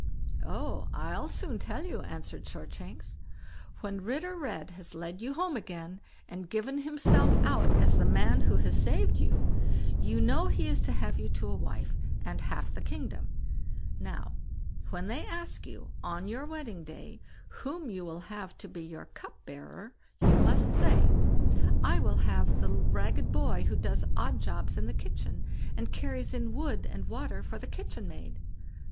"Oh, I'll soon tell you", answered Shortshanks. "When Ritter Red has led you home again, and given himself out as the man who has saved you, you know he is to have you to wife, and half the kingdom. Now, when they ask you, on your wedding day, whom you will have to be your cup bearer, you must say, 'I will have the ragged boy who does odd jobs in the kitchen, and carries in wood and water for the kitchen maid.